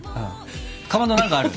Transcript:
かまど何かある？